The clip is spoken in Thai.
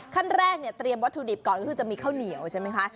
ขั้นแรกเนี่ยเตรียมวัตถุดิบก่อนก็คือจะมีข้าวเหนียวใช่ไหมคะ